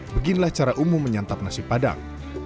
beginilah cara umum menyantap nasi padang